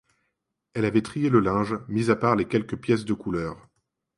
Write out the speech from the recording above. Elle avait trié le linge, mis à part les quelques pièces de couleur.